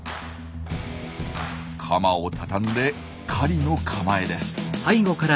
カマを畳んで狩りの構えです。